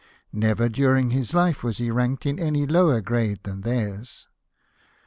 Never during his life was he ranked in any lower grade than theirs.